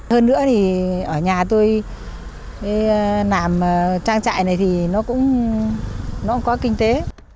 hơn nữa thì ở nhà tôi làm trang trại này thì nó cũng có kinh tế